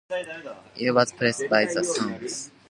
It was placed by the Sons of Confederate Veterans.